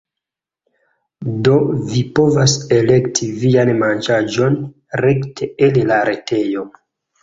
Do, vi povas elekti vian manĝaĵon rekte el la retoj